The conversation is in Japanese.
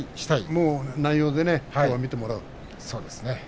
もう内容で見てもらう。